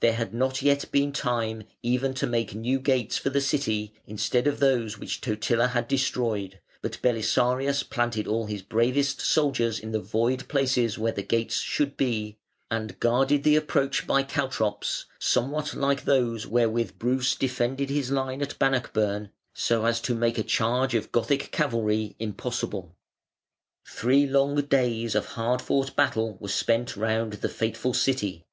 There had not yet been time even to make new gates for the City instead of those which Totila had destroyed, but Belisarius planted all his bravest soldiers in the void places where the gates should be, and guarded the approach by caltrops (somewhat like those wherewith Bruce defended his line at Bannockburn), so as to make a charge of Gothic cavalry impossible. Three long days of hard fought battle were spent round the fateful City.